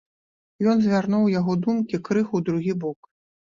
Ён звярнуў яго думкі крыху ў другі бок.